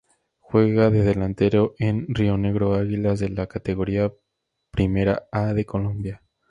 Juega de Delantero en Rionegro Águilas de la Categoría Primera A de Colombia.